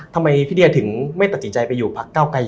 ทำไมพี่เดียถึงไม่ตัดสินใจไปอยู่พักเก้าไกล